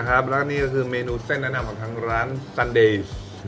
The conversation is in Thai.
มาละครับและนี่คือเมนูเส้นแนะนำทางร้านซันไดส์